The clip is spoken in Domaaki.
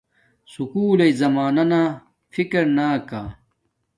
سکُول لݵ زمانانا فکر نا کا